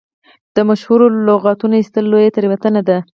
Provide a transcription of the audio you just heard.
د مشهورو لغتونو ایستل لویه تېروتنه ده.